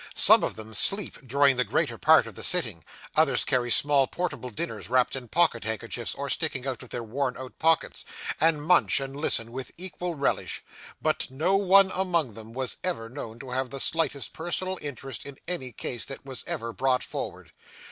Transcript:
Some of them sleep during the greater part of the sitting; others carry small portable dinners wrapped in pocket handkerchiefs or sticking out of their worn out pockets, and munch and listen with equal relish; but no one among them was ever known to have the slightest personal interest in any case that was ever brought forward.